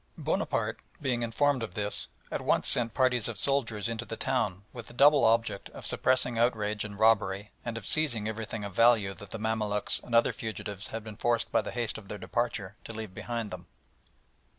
Bonaparte being informed of this, at once sent parties of soldiers into the town with the double object of suppressing outrage and robbery and of seizing everything of value that the Mamaluks and other fugitives had been forced by the haste of their departure to leave behind them.